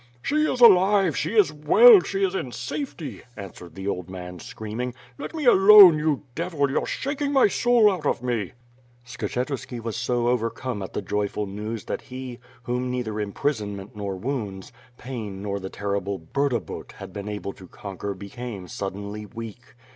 "She is alive; she is well; she is in safety!" answered the old man screaming. "Let me alone, you devil, you're shak ing my soul out of me." Skshetuski was so overcome at the joyful news that he, whom neither imprisonment nor wounds; pain nor the terri ble Burdabut had been able to conquer became suddenly weak.